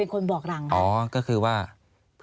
อันดับ๖๓๕จัดใช้วิจิตร